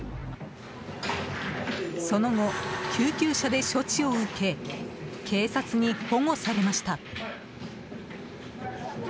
その後、救急車で処置を受け警察に保護されました。